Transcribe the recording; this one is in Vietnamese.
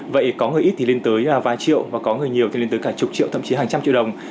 vậy có người ít thì lên tới vài triệu và có người nhiều thì lên tới cả chục triệu thậm chí hàng trăm triệu đồng